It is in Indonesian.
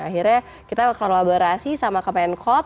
akhirnya kita kolaborasi sama kemenkop